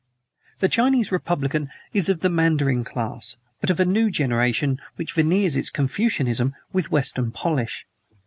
The Chinese Republican is of the mandarin class, but of a new generation which veneers its Confucianism with Western polish.